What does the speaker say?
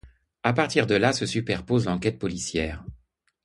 À partir de là se superpose l'enquête policière.